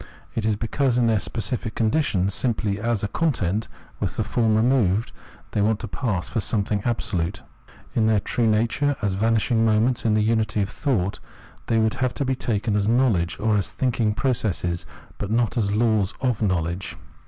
It is because in their specific condition, simply as a content with the form removed, they want to pass for something absolute. In their true nature, as vanishing moments in the unity of thought, they would have to be taken as knowledge or as thinking process, but not as laws of knowledge.